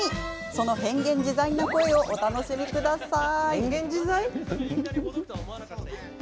その変幻自在な声をお楽しみください。